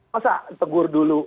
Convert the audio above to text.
masa tegur dulu